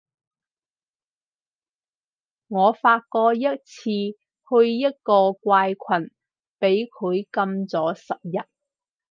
我發過一次去一個怪群，畀佢禁咗十日